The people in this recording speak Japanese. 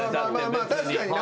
確かにな